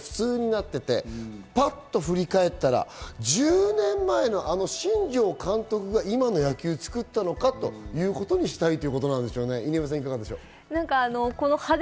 １０年後の野球、その時の野球が普通になっていて振り返ったら１０年前のあの新庄監督が今の野球を作ったのかということにしたいということなんでしょうね。